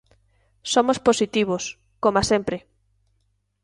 Somos positivos, coma sempre.